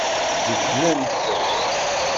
Gedlen-t.